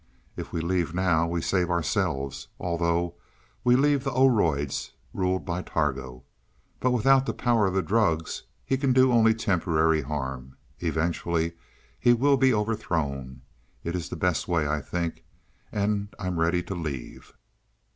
If we leave now, we save ourselves; although we leave the Oroids ruled by Targo. But without the power of the drugs, he can do only temporary harm. Eventually he will be overthrown. It is the best way, I think. And I am ready to leave."